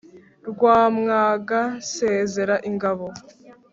Rwamwaga nsezera ingabo.